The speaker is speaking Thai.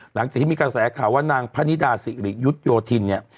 หลังจากที่มีกระแสข่าวว่านางพนิดาสิริยุทธโยธินเนี่ย